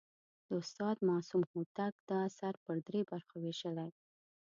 د استاد معصوم هوتک دا اثر پر درې برخو ویشلی.